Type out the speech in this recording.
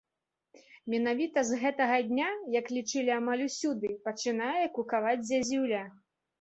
Менавіта з гэтага дня, як лічылі амаль усюды, пачынае кукаваць зязюля.